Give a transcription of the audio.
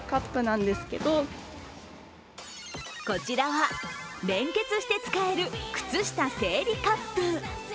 こちらは連結して使えるくつした整理カップ。